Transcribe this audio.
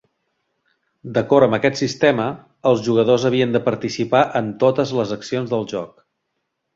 D'acord amb aquest sistema, els jugadors havien de participar en totes les accions del joc.